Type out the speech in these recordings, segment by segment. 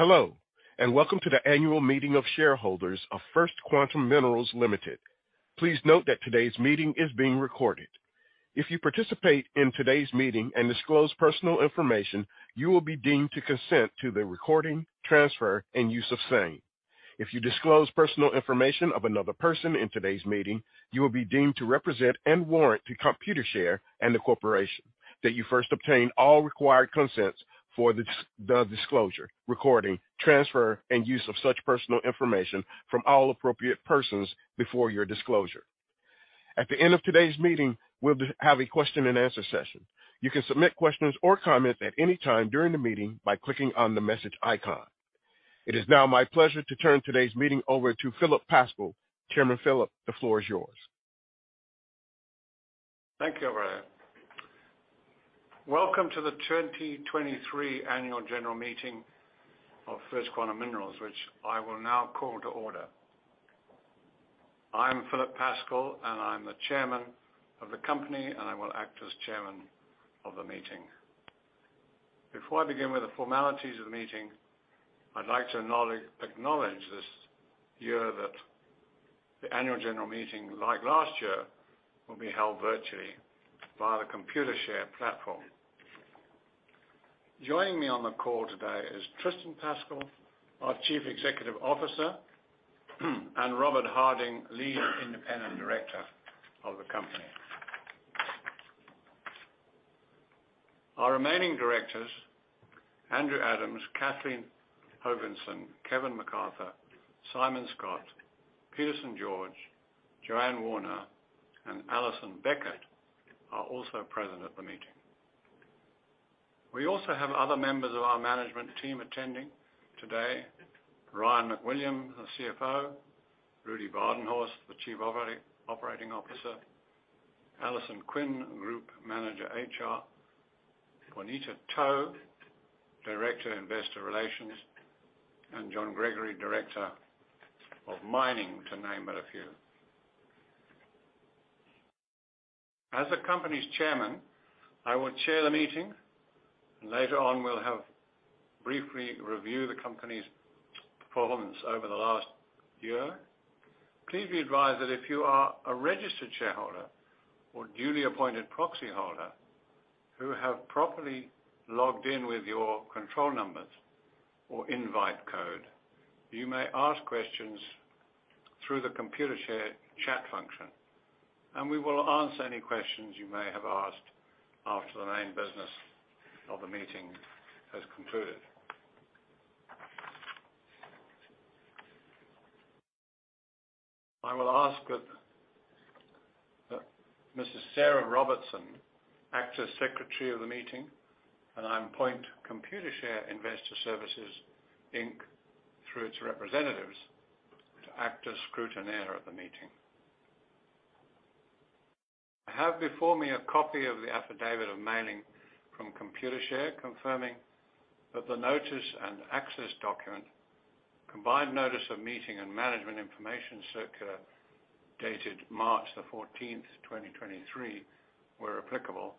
Hello, welcome to the annual meeting of shareholders of First Quantum Minerals Ltd. Please note that today's meeting is being recorded. If you participate in today's meeting and disclose personal information, you will be deemed to consent to the recording, transfer, and use of same. If you disclose personal information of another person in today's meeting, you will be deemed to represent and warrant to Computershare and the corporation that you first obtain all required consents for the disclosure, recording, transfer, and use of such personal information from all appropriate persons before your disclosure. At the end of today's meeting, we'll have a question and answer session. You can submit questions or comments at any time during the meeting by clicking on the message icon. It is now my pleasure to turn today's meeting over to Philip Pascall. Chairman Philip, the floor is yours. Thank you, Ryan. Welcome to the 2023 annual general meeting of First Quantum Minerals, which I will now call to order. I'm Philip Pascall. I'm the chairman of the company. I will act as chairman of the meeting. Before I begin with the formalities of the meeting, I'd like to acknowledge this year that the annual general meeting, like last year, will be held virtually via the Computershare platform. Joining me on the call today is Tristan Pascall, our Chief Executive Officer. Robert Harding, Lead Independent Director of the company. Our remaining directors, Andrew Adams, Kathleen Hogenson, Kevin McArthur, Simon Scott, Peter Buzzi, Joanne Warner, and Alison Beckett, are also present at the meeting. We also have other members of our management team attending today. Ryan MacWilliam, the CFO, Rudi Badenhorst, the Chief Operating Officer, Alison Quinn, Group Manager, HR, Bonita To, Director, Investor Relations, and John Gregory, Director of Mining, to name but a few. As the company's chairman, I will chair the meeting. Later on, we'll have briefly review the company's performance over the last year. Please be advised that if you are a registered shareholder or duly appointed proxy holder who have properly logged in with your control numbers or invite code, you may ask questions through the Computershare chat function, and we will answer any questions you may have asked after the main business of the meeting has concluded. I will ask that Mrs. Sarah Robertson act as secretary of the meeting, and I appoint Computershare Investor Services, Inc., through its representatives, to act as scrutineer at the meeting. I have before me a copy of the affidavit of mailing from Computershare, confirming that the notice and access document, combined notice of meeting and management information circular dated March 14, 2023, where applicable,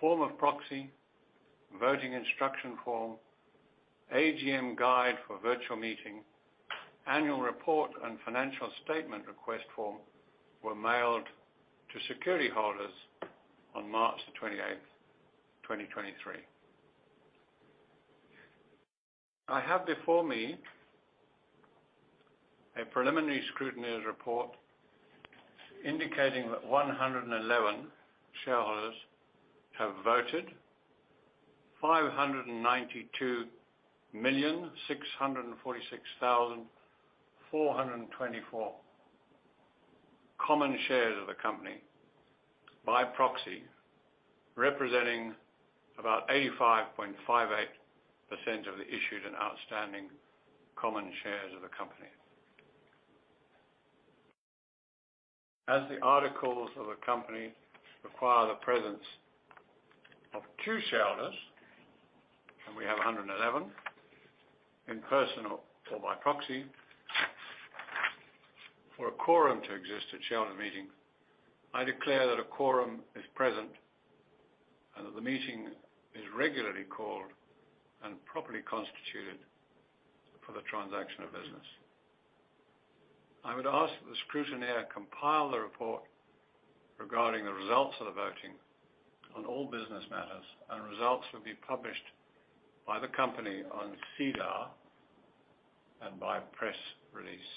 form of proxy, voting instruction form, AGM guide for virtual meeting, annual report, and financial statement request form were mailed to security holders on March 28, 2023. I have before me a preliminary scrutineer's report indicating that 111 shareholders have voted 592,646,424 common shares of the company by proxy, representing about 85.58% of the issued and outstanding common shares of the company. As the articles of the company require the presence of 2 shareholders, and we have 111 in person or by proxy, for a quorum to exist at shareholder meeting, I declare that a quorum is present and that the meeting is regularly called and properly constituted for the transaction of business. I would ask that the scrutineer compile the report regarding the results of the voting on all business matters. Results will be published by the company on SEDAR and by press release.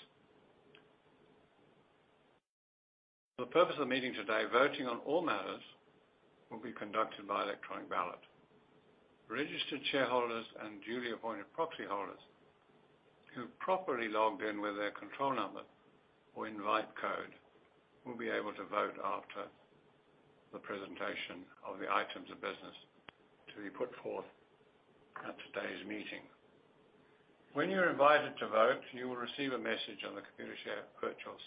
For the purpose of meeting today, voting on all matters will be conducted by electronic ballot. Registered shareholders and duly appointed proxy holders who properly logged in with their control number or invite code will be able to vote after the presentation of the items of business to be put forth at today's meeting. When you're invited to vote, you will receive a message on the Computershare virtual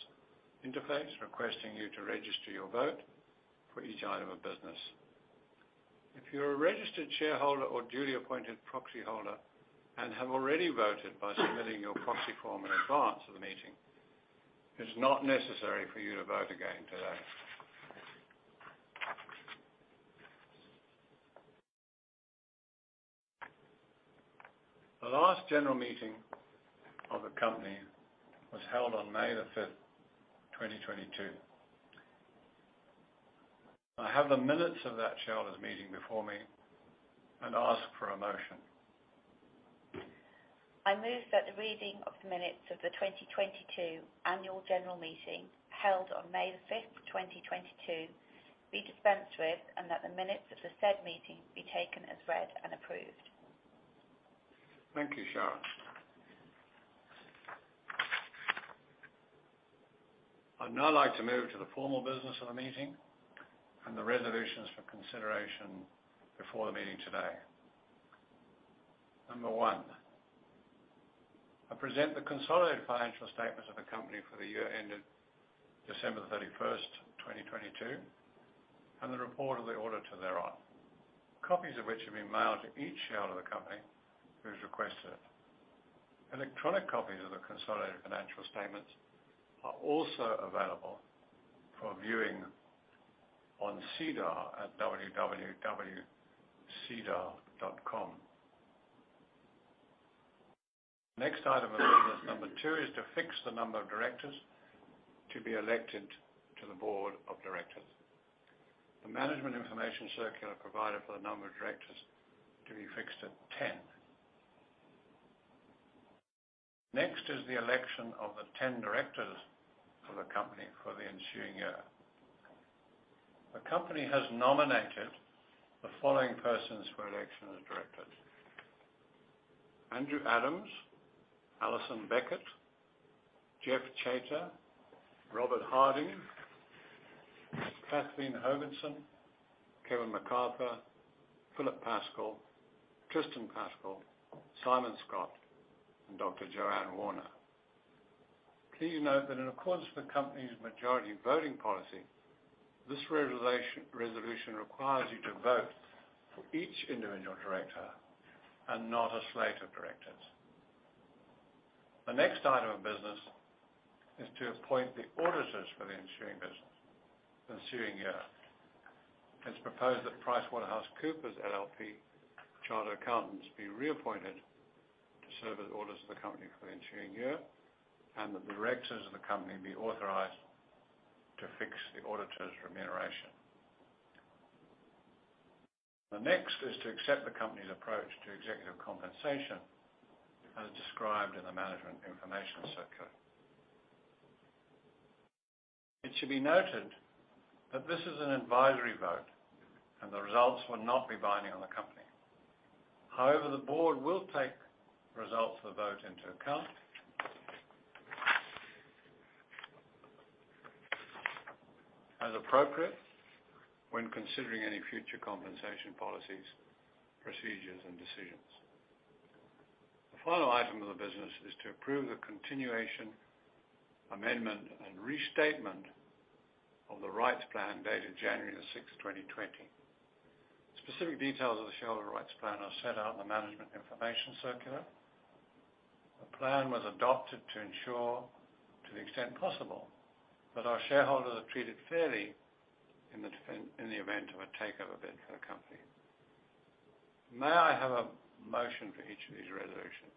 interface requesting you to register your vote for each item of business. If you're a registered shareholder or duly appointed proxy holder and have already voted by submitting your proxy form in advance of the meeting, it's not necessary for you to vote again today. The last general meeting of the company was held on May the 5th, 2022. I have the minutes of that shareholders meeting before me and ask for a motion. I move that the reading of the minutes of the 2022 annual general meeting held on May 5, 2022 be dispensed with and that the minutes of the said meeting be taken as read and approved. Thank you, Sharon. I'd now like to move to the formal business of the meeting and the resolutions for consideration before the meeting today. Number 1, I present the consolidated financial statements of the company for the year ended December 31st, 2022, and the report of the auditor thereon, copies of which have been mailed to each shareholder of the company who's requested. Electronic copies of the consolidated financial statements are also available for viewing on SEDAR at www.sedar.com. Next item of business, Number 2, is to fix the number of directors to be elected to the board of directors. The management information circular provided for the number of directors to be fixed at 10. Next is the election of the 10 directors of the company for the ensuing year. The company has nominated the following persons for election as directors: Andrew Adams, Alison Beckett, Geoff Chater, Robert Harding, Kathleen Hogenson, Kevin McArthur, Philip Pascall, Tristan Pascall, Simon Scott, and Dr Joanne Warner. Please note that in accordance with the company's majority voting policy, this resolution requires you to vote for each individual director and not a slate of directors. The next item of business is to appoint the auditors for the ensuing year. It's proposed that PricewaterhouseCoopers LLP Chartered Accountants be reappointed to serve as auditors of the company for the ensuing year, and the directors of the company be authorized to fix the auditors' remuneration. The next is to accept the company's approach to executive compensation as described in the management information circular. It should be noted that this is an advisory vote and the results will not be binding on the company. However, the board will take results of the vote into account, as appropriate when considering any future compensation policies, procedures, and decisions. The final item of the business is to approve the continuation, amendment, and restatement of the rights plan dated January 6, 2020. Specific details of the shareholder rights plan are set out in the management information circular. The plan was adopted to ensure, to the extent possible, that our shareholders are treated fairly in the event of a takeover bid for the company. May I have a motion for each of these resolutions?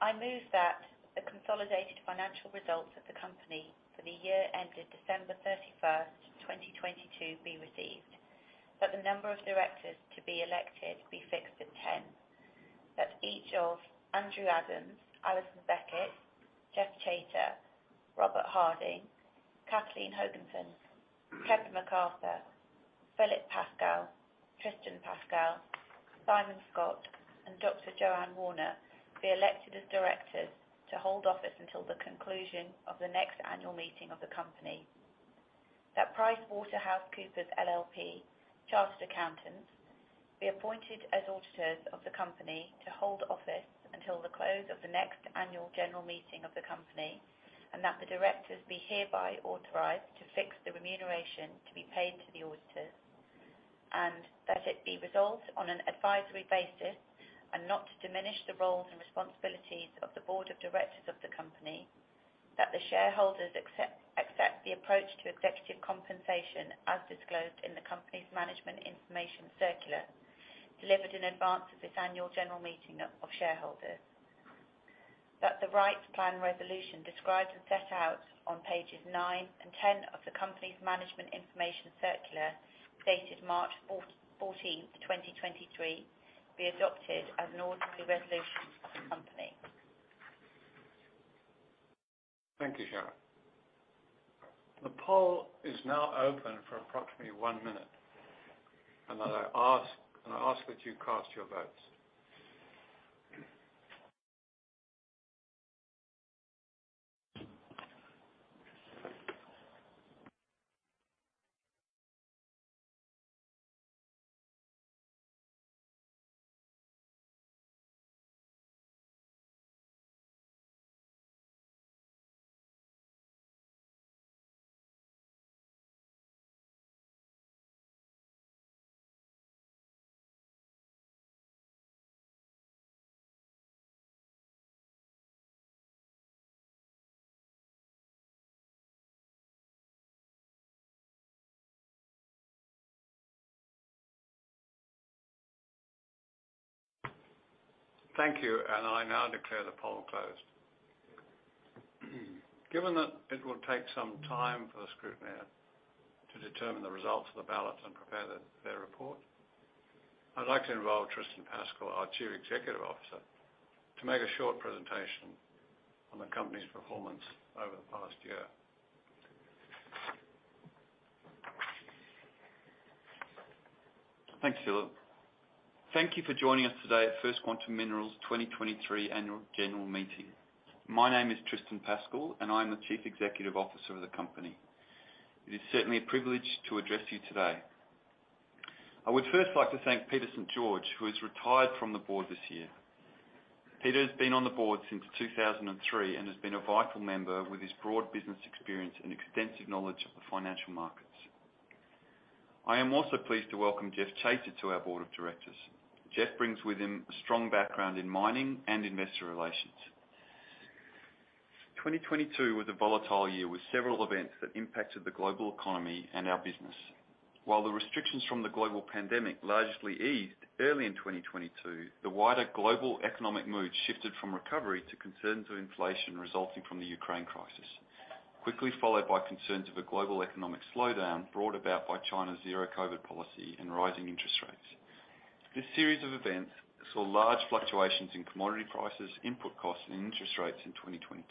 I move that the consolidated financial results of the company for the year ended December thirty-first, twenty twenty-two, be received. That the number of directors to be elected be fixed at 10. That each of Andrew Adams, Alison Beckett, Geoff Chater, Robert Harding, Kathleen Hogenson, Kevin McArthur, Philip Pascall, Tristan Pascall, Simon Scott, and Dr Joanne Warner be elected as directors to hold office until the conclusion of the next annual meeting of the company. That PricewaterhouseCoopers LLP Chartered Accountants be appointed as auditors of the company to hold office until the close of the next annual general meeting of the company, and that the directors be hereby authorized to fix the remuneration to be paid to the auditors. That it be resolved on an advisory basis and not to diminish the roles and responsibilities of the board of directors of the company. That the shareholders accept the approach to executive compensation as disclosed in the company's management information circular, delivered in advance of this annual general meeting of shareholders. That the rights plan resolution described and set out on pages 9 and 10 of the company's management information circular dated March 14, 2023, be adopted as an ordinary resolution of the company. Thank you, Sharon. The poll is now open for approximately 1 minute. I ask that you cast your votes. Thank you. I now declare the poll closed. Given that it will take some time for the scrutineer to determine the results of the ballot and prepare their report, I'd like to involve Tristan Pascall, our Chief Executive Officer, to make a short presentation on the company's performance over the past year. Thanks, Philip. Thank you for joining us today at First Quantum Minerals 2023 annual general meeting. My name is Tristan Pascall, and I'm the chief executive officer of the company. It is certainly a privilege to address you today. I would first like to thank Peter St. George, who has retired from the board this year. Peter has been on the board since 2003, and has been a vital member with his broad business experience and extensive knowledge of the financial markets. I am also pleased to welcome Geoff Chater to our board of directors. Jeff brings with him a strong background in mining and investor relations. 2022 was a volatile year with several events that impacted the global economy and our business. While the restrictions from the global pandemic largely eased early in 2022, the wider global economic mood shifted from recovery to concerns of inflation resulting from the Ukraine crisis. Quickly followed by concerns of a global economic slowdown brought about by China's zero COVID policy and rising interest rates. This series of events saw large fluctuations in commodity prices, input costs, and interest rates in 2022,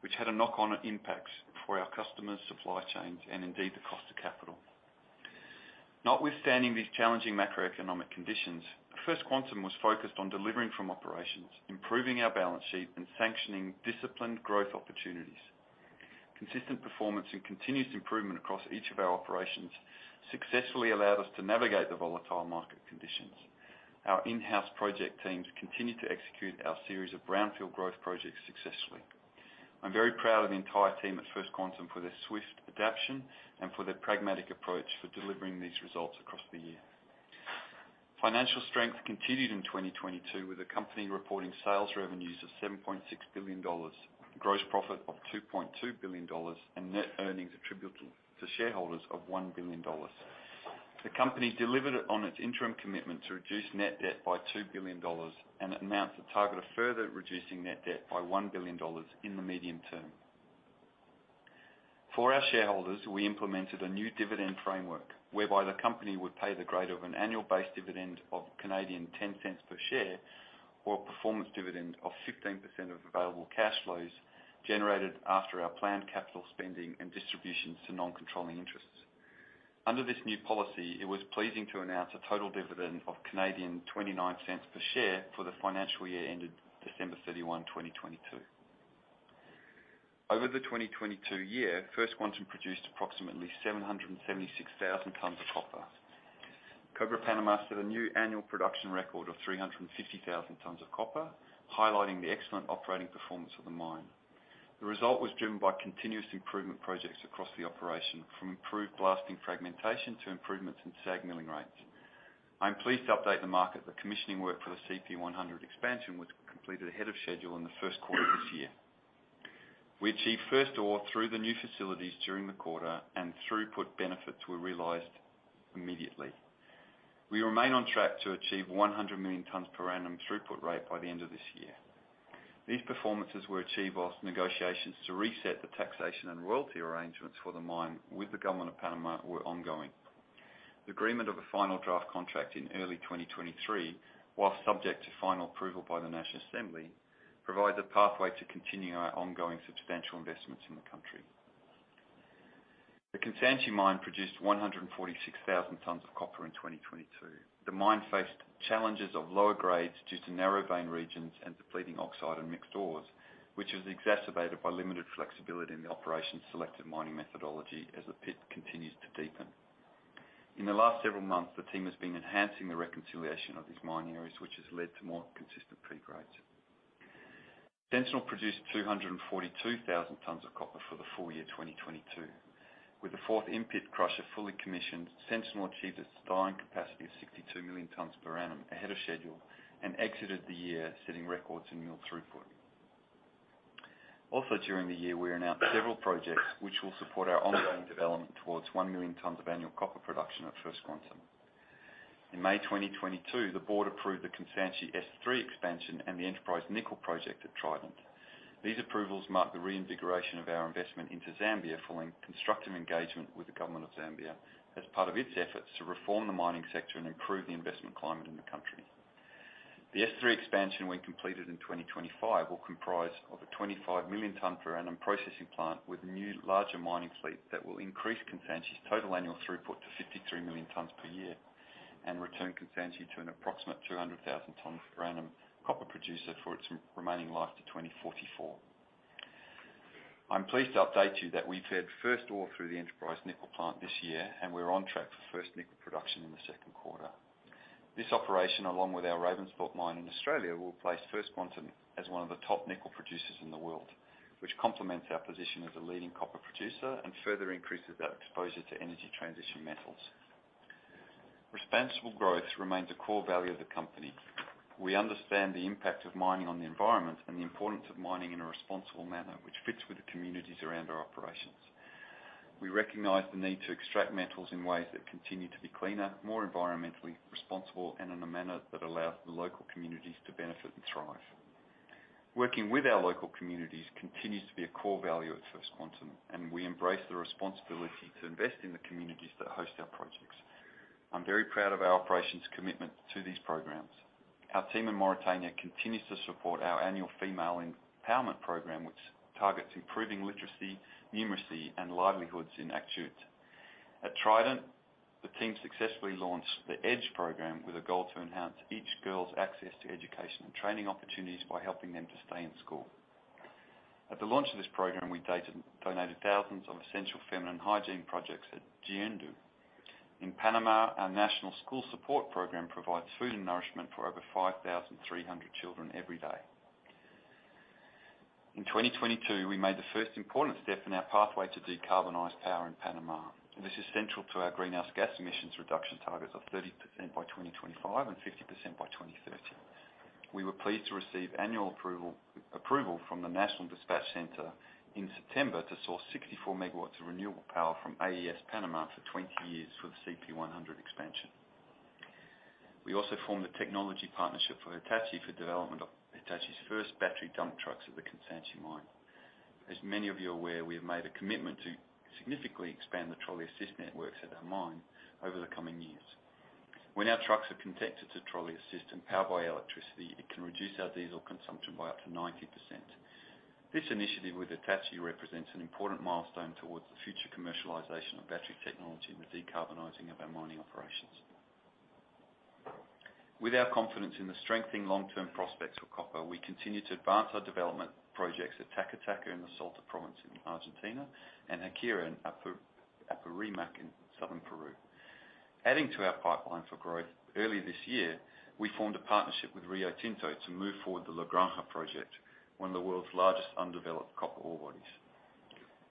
which had a knock on impacts for our customers, supply chains, and indeed the cost of capital. Notwithstanding these challenging macroeconomic conditions, First Quantum was focused on delivering from operations, improving our balance sheet, and sanctioning disciplined growth opportunities. Consistent performance and continuous improvement across each of our operations successfully allowed us to navigate the volatile market conditions. Our in-house project teams continued to execute our series of brownfield growth projects successfully. I'm very proud of the entire team at First Quantum for their swift adaption and for their pragmatic approach for delivering these results across the year. Financial strength continued in 2022, with the company reporting sales revenues of $7.6 billion, gross profit of $2.2 billion, and net earnings attributable to shareholders of $1 billion. The company delivered on its interim commitment to reduce net debt by $2 billion and announced a target of further reducing net debt by $1 billion in the medium term. For our shareholders, we implemented a new dividend framework whereby the company would pay the greater of an annual base dividend of 0.10 per share or a performance dividend of 15% of available cash flows generated after our planned capital spending and distributions to non-controlling interests. Under this new policy, it was pleasing to announce a total dividend of 0.29 per share for the financial year ended December 31, 2022. Over the 2022 year, First Quantum produced approximately 776,000 tons of copper. Cobre Panama set a new annual production record of 350,000 tons of copper, highlighting the excellent operating performance of the mine. The result was driven by continuous improvement projects across the operation, from improved blasting fragmentation to improvements in SAG milling rates. I'm pleased to update the market that commissioning work for the CP100 expansion was completed ahead of schedule in the first quarter this year. We achieved first ore through the new facilities during the quarter and throughput benefits were realized immediately. We remain on track to achieve 100 million tons per annum throughput rate by the end of this year. These performances were achieved whilst negotiations to reset the taxation and royalty arrangements for the mine with the government of Panamá were ongoing. The agreement of a final draft contract in early 2023, while subject to final approval by the National Assembly, provides a pathway to continue our ongoing substantial investments in the country. The Kansanshi mine produced 146,000 tons of copper in 2022. The mine faced challenges of lower grades due to narrow vein regions and depleting oxide and mixed ores, which was exacerbated by limited flexibility in the operation's selected mining methodology as the pit continues to deepen. In the last several months, the team has been enhancing the reconciliation of these mine areas, which has led to more consistent pre-grades. Sentinel produced 242,000 tons of copper for the full year 2022. With the fourth in-pit crusher fully commissioned, Sentinel achieved its design capacity of 62 million tons per annum ahead of schedule and exited the year setting records in mill throughput. Also, during the year, we announced several projects which will support our ongoing development towards 1 million tons of annual copper production at First Quantum. In May 2022, the board approved the Kansanshi S3 Expansion and the Enterprise Nickel project at Trident. These approvals mark the reinvigoration of our investment into Zambia following constructive engagement with the government of Zambia as part of its efforts to reform the mining sector and improve the investment climate in the country. The S3 Expansion, when completed in 2025, will comprise of a 25 million ton per annum processing plant with a new larger mining fleet that will increase Kansanshi's total annual throughput to 53 million tons per year and return Kansanshi to an approximate 200,000 tons per annum copper producer for its remaining life to 2044. I'm pleased to update you that we've had first ore through the Enterprise Nickel plant this year, and we're on track for first nickel production in the second quarter. This operation, along with our Ravensthorpe mine in Australia, will place First Quantum as one of the top nickel producers in the world, which complements our position as a leading copper producer and further increases our exposure to energy transition metals. Responsible growth remains a core value of the company. We understand the impact of mining on the environment and the importance of mining in a responsible manner which fits with the communities around our operations. We recognize the need to extract metals in ways that continue to be cleaner, more environmentally responsible, and in a manner that allows the local communities to benefit and thrive. Working with our local communities continues to be a core value at First Quantum, and we embrace the responsibility to invest in the communities that host our projects. I'm very proud of our operations commitment to these programs. Our team in Mauritania continues to support our annual female empowerment program, which targets improving literacy, numeracy, and livelihoods in Akjoujt. At Trident, the team successfully launched the EDGE program with a goal to enhance each girl's access to education and training opportunities by helping them to stay in school. At the launch of this program, we donated thousands of essential feminine hygiene projects at Jiendu. In Panama, our national school support program provides food and nourishment for over 5,300 children every day. In 2022, we made the first important step in our pathway to decarbonize power in Panama. This is central to our greenhouse gas emissions reduction targets of 30% by 2025 and 50% by 2030. We were pleased to receive annual approval from the National Dispatch Center in September to source 64 megawatts of renewable power from AES Panamá for 20 years for the CP100 expansion. We also formed a technology partnership with Hitachi for development of Hitachi's first battery dump trucks at the Constancia mine. As many of you are aware, we have made a commitment to significantly expand the trolley assist networks at our mine over the coming years. When our trucks are connected to trolley assist and powered by electricity, it can reduce our diesel consumption by up to 90%. This initiative with Hitachi represents an important milestone towards the future commercialization of battery technology and the decarbonizing of our mining operations. With our confidence in the strengthening long-term prospects for copper, we continue to advance our development projects at Taca Taca in the Salta province in Argentina and Haquira in Apurímac in southern Peru. Adding to our pipeline for growth, early this year, we formed a partnership with Rio Tinto to move forward the La Granja project, one of the world's largest undeveloped copper ore bodies.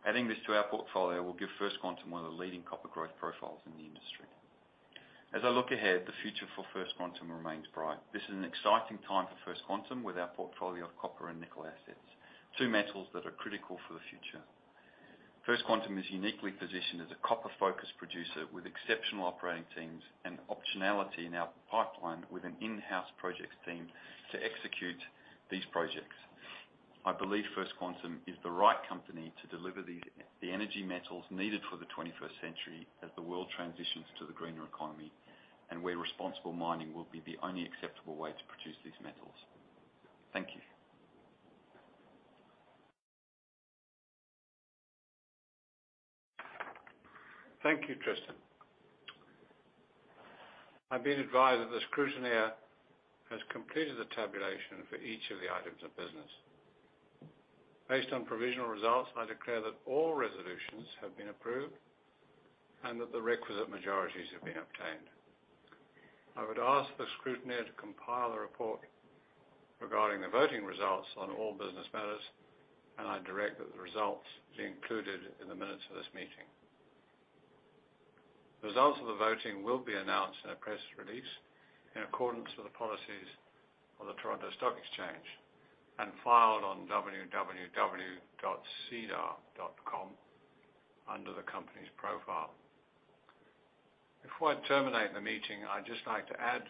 Adding this to our portfolio will give First Quantum one of the leading copper growth profiles in the industry. As I look ahead, the future for First Quantum remains bright. This is an exciting time for First Quantum with our portfolio of copper and nickel assets, two metals that are critical for the future. First Quantum is uniquely positioned as a copper-focused producer with exceptional operating teams and optionality in our pipeline with an in-house projects team to execute these projects. I believe First Quantum is the right company to deliver the energy metals needed for the 21st century as the world transitions to the greener economy and where responsible mining will be the only acceptable way to produce these metals. Thank you. Thank you, Tristan. I've been advised that the scrutineer has completed the tabulation for each of the items of business. Based on provisional results, I declare that all resolutions have been approved and that the requisite majorities have been obtained. I would ask the scrutineer to compile a report regarding the voting results on all business matters, and I direct that the results be included in the minutes of this meeting. The results of the voting will be announced in a press release in accordance to the policies of the Toronto Stock Exchange and filed on www.sedar.com under the company's profile. Before I terminate the meeting, I'd just like to add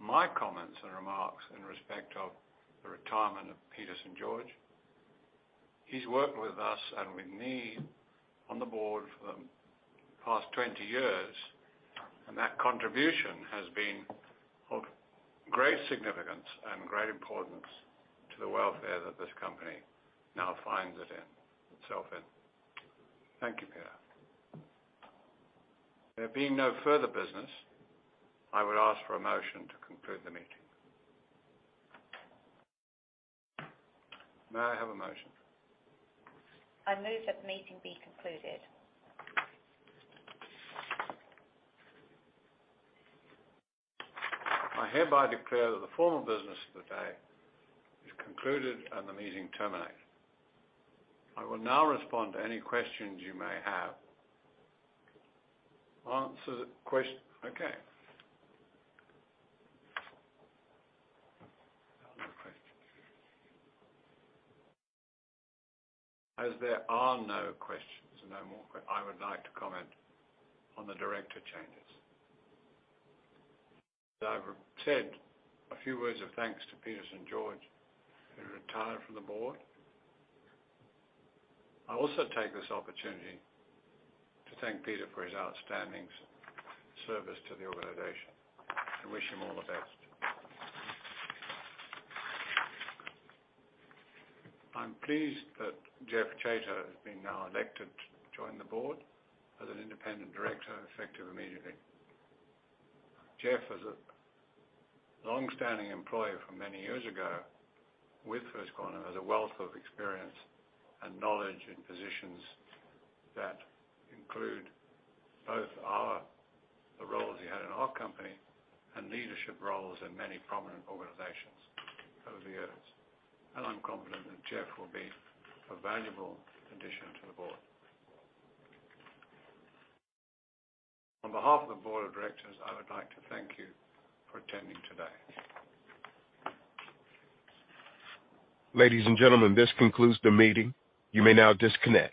my comments and remarks in respect of the retirement of Peter St. George. He's worked with us and with me on the board for the past 20 years, and that contribution has been of great significance and great importance to the welfare that this company now finds it in, itself in. Thank you, Peter. There being no further business, I would ask for a motion to conclude the meeting. May I have a motion? I move that the meeting be concluded. I hereby declare that the formal business of the day is concluded and the meeting terminated. I will now respond to any questions you may have. Okay. No questions. There are no questions no more, I would like to comment on the director changes. I've said a few words of thanks to Peter St. George, who retired from the board. I also take this opportunity to thank Peter for his outstanding service to the organization and wish him all the best. I'm pleased that Geoff Chater has been now elected to join the board as an independent director, effective immediately. Geoff is a long-standing employee from many years ago with First Quantum, has a wealth of experience and knowledge in positions that include the roles he had in our company and leadership roles in many prominent organizations over the years. I'm confident that Geoff will be a valuable addition to the board. On behalf of the board of directors, I would like to thank you for attending today. Ladies and gentlemen, this concludes the meeting. You may now disconnect.